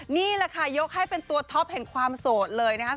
นี่แหละค่ะยกให้เป็นตัวท็อปแห่งความโสดเลยนะครับ